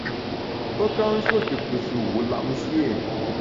Pe nka nsuo tù kùsù wu lap nsié ?